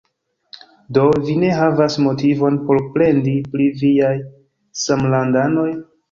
Do, vi ne havas motivon por plendi pri viaj samlandanoj?